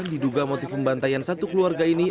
diduga motif pembantaian satu keluarga ini